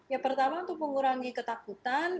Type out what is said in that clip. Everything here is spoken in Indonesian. ya pertama untuk mengurangi ketakutan